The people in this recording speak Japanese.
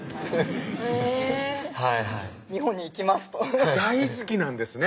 へぇはいはい「日本に行きます」と大好きなんですね